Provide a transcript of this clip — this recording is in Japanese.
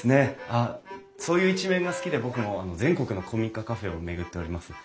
あっそういう一面が好きで僕も全国の古民家カフェを巡っております。